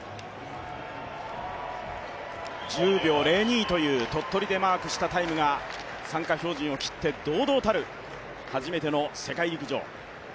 １０秒０２という鳥取でマークしたタイムが参加標準を切って堂々たる初めての世界陸上。